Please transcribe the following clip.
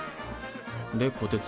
でこてつ。